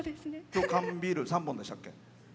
今日は缶ビール３本でしたっけ。